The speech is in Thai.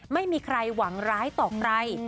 ไม่มีใครหวังร้ายต่อใคร